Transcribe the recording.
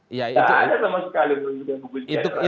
tidak ada sama sekali yang lebih baik